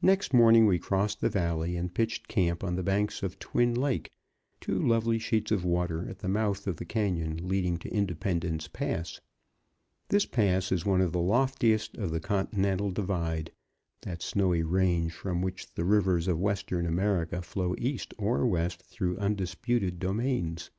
Next morning we crossed the valley and pitched camp on the banks of Twin Lake, two lovely sheets of water at the mouth of the canyon leading to Independence Pass. This pass is one of the loftiest of the Continental Divide that snowy range from which the rivers of Western America flow east or west through undisputed domains.